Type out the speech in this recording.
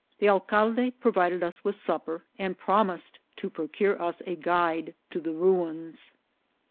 The alcalde provided us with supper, and promised to procure us a guide to the ruins.